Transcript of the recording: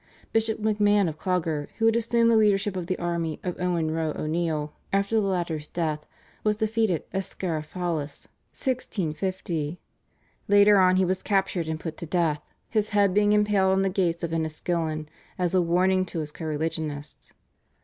Bishop MacMahon of Clogher, who had assumed the leadership of the army of Owen Row O'Neill after the latter's death was defeated at Scarrifhollis (1650). Later on he was captured, and put to death, his head being impaled on the gates of Enniskillen as a warning to his co religionists.